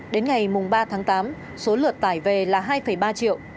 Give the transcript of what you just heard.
đến ngày ba tháng tám số lượt tải về là hai ba triệu